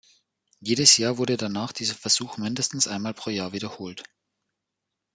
Jedes Jahr wurde danach dieser Versuch mindestens einmal pro Jahr wiederholt.